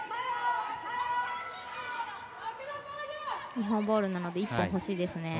日本ボールなので１本ほしいですね。